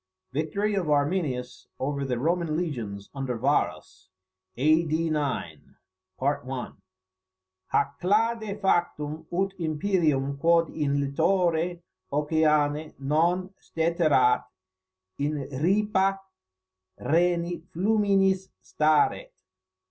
VICTORY OF ARMINIUS OVER THE ROMAN LEGIONS UNDER VARUS, A.D. 9. "Hac clade factum, ut Imperium quod in littore oceani non steterat, in ripa Rheni fluminis staret."